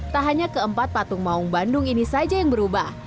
tak hanya keempat patung maung bandung ini saja yang berubah